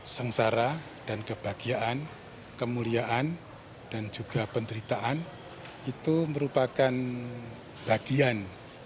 sengsara dan kebahagiaan kemuliaan dan juga penderitaan itu merupakan bagian